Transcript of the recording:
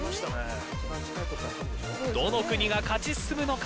どの国が勝ち進むのか。